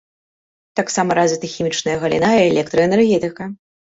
Таксама развіты хімічная галіна і электраэнергетыка.